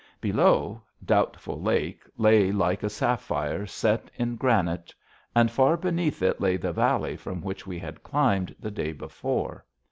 Below, Doubtful Lake lay like a sapphire set in granite, and far beneath it lay the valley from which we had climbed the day before.